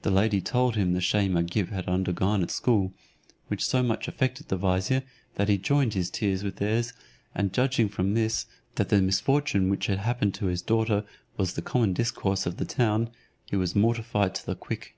The lady told him the shame Agib had undergone at school, which so much affected the vizier that he joined his tears with theirs, and judging from this that the misfortune which had happened to his daughter was the common discourse of the town, he was mortified to the quick.